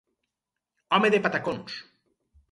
Home de patacons.